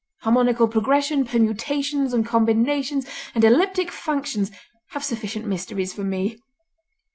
Harmonical Progression, Permutations and Combinations, and Elliptic Functions have sufficient mysteries for me!"